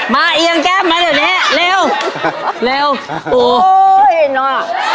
มาเอียงแก้มมาเดี๋ยวนี้เร็วเร็ว